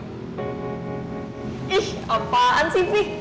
ih apaan sih fi